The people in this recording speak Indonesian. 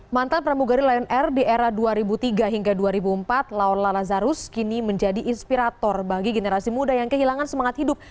mantan pramugari lion air di era dua ribu tiga hingga dua ribu empat laula lazarus kini menjadi inspirator bagi generasi muda yang kehilangan semangat hidup